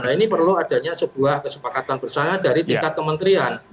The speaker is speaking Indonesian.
nah ini perlu adanya sebuah kesepakatan bersama dari tingkat kementerian